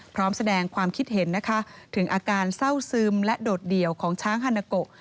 พร้อมแสดงความคิดเห็นนะคะถึงอาการเศร้าซึมและโดดเดี่ยวของช้างฮานาโก